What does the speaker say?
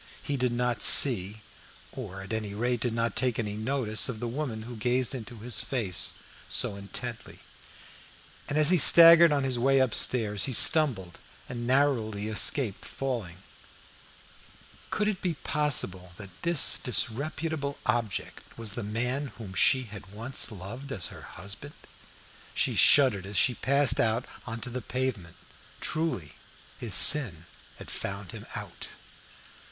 He did not see; or at any rate did not take any notice of the woman who gazed into his face so intently. As he staggered on his way upstairs he stumbled and narrowly escaped falling. Could it be possible that this disreputable object was the man whom she had once loved as her husband? She shuddered as she passed out on to the pavement. Truly, his sin had found him out.